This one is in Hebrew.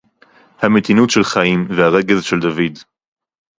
הַמְּתִינוּת שֶׁל חַיִּים וְהָרֹגֶז שֶׁל דָּוִד.